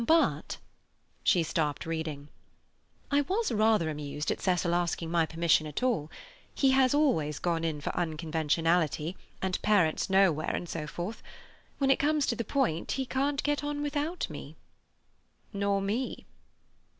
But—'" She stopped reading, "I was rather amused at Cecil asking my permission at all. He has always gone in for unconventionality, and parents nowhere, and so forth. When it comes to the point, he can't get on without me." "Nor me."